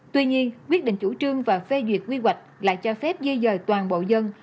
tuy nhiên quyết định chủ trương và phê duyệt quy hoạch lại cho phép di dời toàn bộ dân